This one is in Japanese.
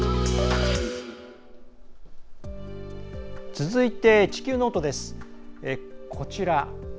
続いて、「地球ノート」です。